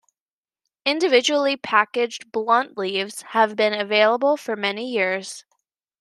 Individually packaged blunt leaves have been available for many years.